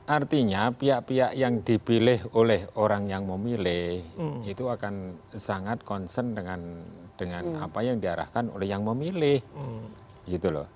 artinya pihak pihak yang dipilih oleh orang yang memilih itu akan sangat concern dengan apa yang diarahkan oleh yang memilih gitu loh